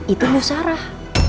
itu bu sarah